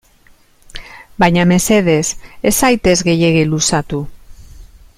Baina mesedez, ez zaitez gehiegi luzatu.